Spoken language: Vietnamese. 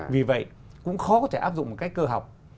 vì vậy cũng khó có thể áp dụng một cách cơ học